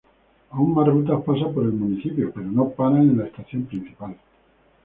Aún más rutas pasan por el municipio pero no paran en la estación principal.